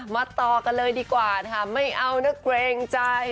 ต่อกันเลยดีกว่านะคะไม่เอานะเกรงใจ